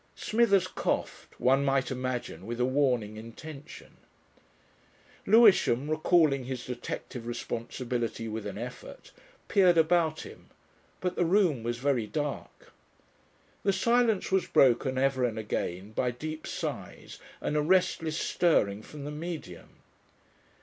Smithers coughed, one might imagine with a warning intention. Lewisham, recalling his detective responsibility with an effort, peered about him, but the room was very dark. The silence was broken ever and again by deep sighs and a restless stirring from the Medium.